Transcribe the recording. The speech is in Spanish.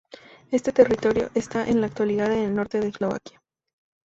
Este territorio está en la actualidad en el norte de Eslovaquia.